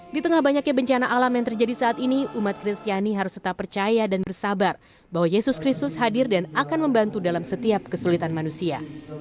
di tengah banyaknya bencana alam yang terjadi saat ini umat kristiani harus tetap percaya dan bersabar bahwa yesus kristus hadir dan akan membantu dalam setiap kesulitan manusia